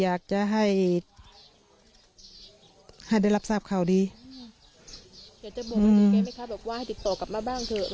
อยากจะบวนบังเกะไหมครับแบบว่าให้ติดต่อกลับมาบ้างเถอะ